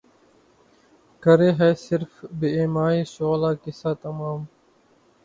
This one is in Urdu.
کرے ہے صِرف بہ ایمائے شعلہ قصہ تمام